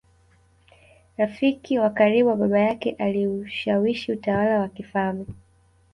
rafiki wa karibu wa Baba yake Aliushawishi utawala wa kifalme